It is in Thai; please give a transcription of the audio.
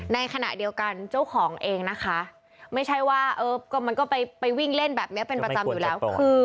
ในขณะเดียวกันเจ้าของเองนะคะไม่ใช่ว่ามันก็ไปวิ่งเล่นแบบนี้เป็นประจำอยู่แล้ว